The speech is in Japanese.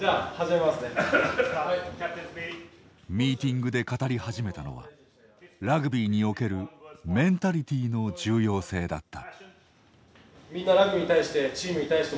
ミーティングで語り始めたのはラグビーにおけるメンタリティーの重要性だった。